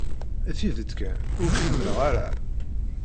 Tidet kan, ur k-ḥemmleɣ ara.